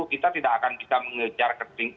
kita tidak akan bisa mengejar